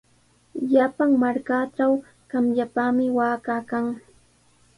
Llapan markatraw qamllapami waaka kan.